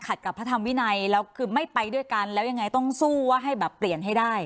กับพระธรรมวินัยแล้วคือไม่ไปด้วยกันแล้วยังไงต้องสู้ว่าให้แบบเปลี่ยนให้ได้